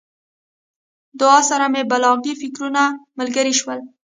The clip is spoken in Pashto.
دعا سره مې بلاغي فکرونه ملګري شول.